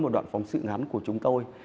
một đoạn phóng sự ngắn của chúng tôi